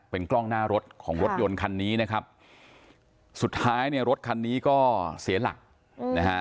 เป็นกล้องหน้ารถของรถยนต์คันนี้นะครับสุดท้ายเนี่ยรถคันนี้ก็เสียหลักนะฮะ